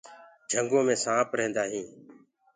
جِهنگو مي سآنپ رهيندآ هينٚ۔